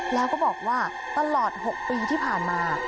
แล้วก็บอกว่าตลอด๖ปีที่ผ่านมา